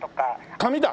紙だ。